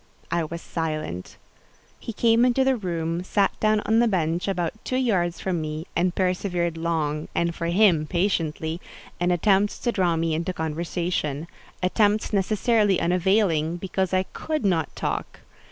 I was silent. He came into the room, sat down on the bench about two yards from me, and persevered long, and, for him, patiently, in attempts to draw me into conversation—attempts necessarily unavailing, because I could not talk.